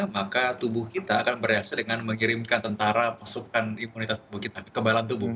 maka tubuh kita akan bereaksi dengan mengirimkan tentara pasukan imunitas tubuh kita kebalan tubuh